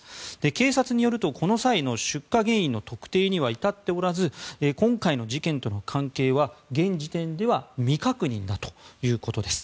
警察によるとこの際の出火原因の特定には至っておらず今回の事件との関係は現時点では未確認だということです。